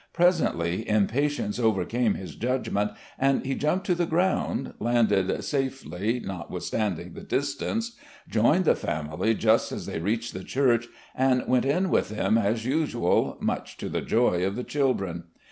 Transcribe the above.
Presently impatience overcame his judg ment and he jumped to the ground, landed safely not withstanding the distance, joined the family just as they reached the church, and went in with them as usual, much to the joy of the children.